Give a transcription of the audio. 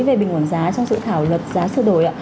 về bình ổn giá trong sự thảo luật giá sửa đổi